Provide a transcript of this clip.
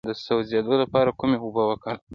د سوځیدو لپاره کومې اوبه وکاروم؟